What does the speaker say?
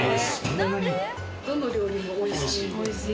どの料理も美味しい。